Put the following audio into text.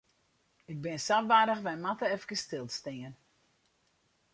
Ik bin sa warch, wy moatte efkes stilstean.